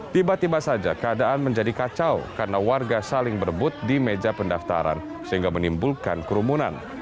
tiba tiba saja keadaan menjadi kacau karena warga saling berebut di meja pendaftaran sehingga menimbulkan kerumunan